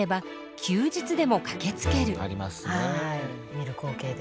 見る光景で。